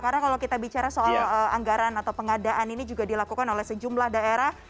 karena kalau kita bicara soal anggaran atau pengadaan ini juga dilakukan oleh sejumlah daerah